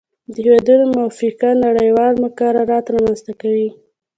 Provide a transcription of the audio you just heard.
د هیوادونو موافقه نړیوال مقررات رامنځته کوي